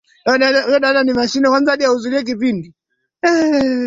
aa unaweza ukalinganisha vipi ligi hizi mbili kocha